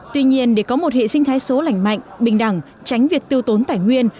tuy nhiên để có một hệ sinh thái số lành mạnh bình đẳng tránh việc tiêu tốn tài nguyên